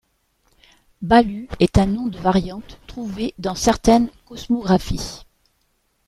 Balhūt est un nom de variante trouvé dans certaines cosmographies.